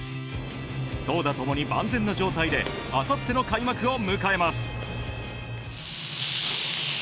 投打共に万全な状態であさっての開幕を迎えます。